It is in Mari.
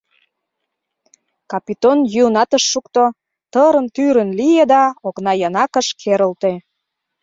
Капитон йӱынат ыш шукто, тырын-тӱрын лие да окнаянакыш керылте.